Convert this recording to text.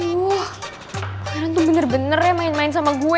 wuh pangeran tuh bener bener ya main main sama gue